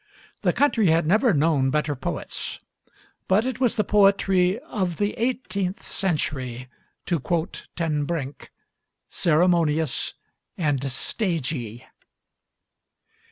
The country had never known better poets; but it was the poetry of the eighteenth century, to quote Ten Brink, "ceremonious and stagy."